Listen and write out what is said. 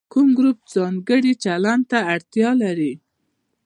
کوم ګروپ ځانګړي چلند ته اړتیا لري.